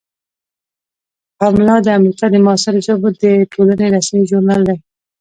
پملا د امریکا د معاصرو ژبو د ټولنې رسمي ژورنال دی.